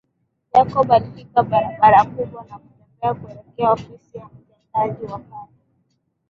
Jacob alifika barabara kubwa na kutembea kuelekea ofisi ya mtendaji wa kata